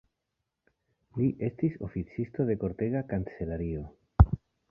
Li estis oficisto de kortega kancelario.